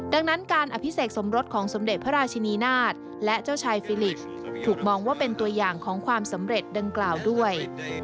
ดังนั้นการอภิเษกสมรสของสมเด็จพระราชินีนาฏและเจ้าชายฟิลิกถูกมองว่าเป็นตัวอย่างของความสำเร็จดังกล่าวด้วย